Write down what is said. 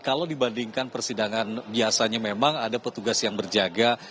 kalau dibandingkan persidangan biasanya memang ada petugas yang berjaga